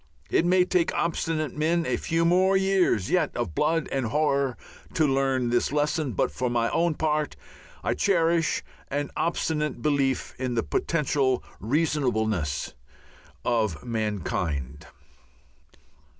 It may take obstinate men a few more years yet of blood and horror to learn this lesson, but for my own part I cherish an obstinate belief in the potential reasonableness of mankind.